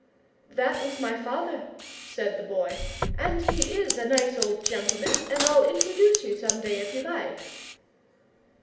"That was my father," said the boy, "and he IS a nice old gentleman, and I'll introduce you some day if you like."